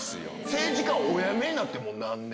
政治家お辞めになって何年？